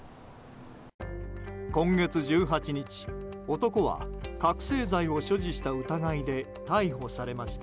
今月１８日、男は覚醒剤を所持した疑いで逮捕されました。